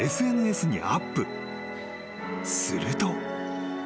［すると］